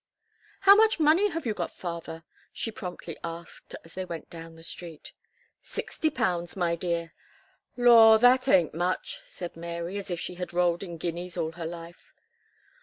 "How much money have you got, father?" she promptly asked, as they went down the street, "Sixty pounds, my dear." "Law! that ain't much," said Mary, as if she had rolled in guineas all her life.